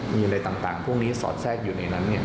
มีอะไรต่างพวกนี้สอดแทรกอยู่ในนั้น